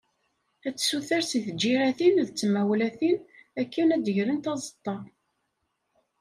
Ad tessuter seg tǧiratin d tmawlatin, akken ad grent aẓeṭṭa.